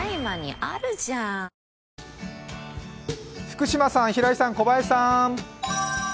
福島さん、平井さん、小林さん。